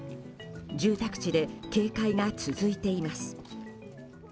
住宅地で警戒が続いています。